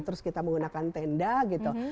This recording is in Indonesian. terus kita menggunakan tenda gitu